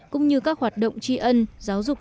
cũng như các hoạt động tri ân giáo dục